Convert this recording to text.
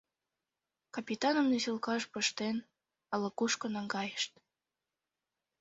Капитаным носилкаш пыштен, ала-кушко наҥгайышт.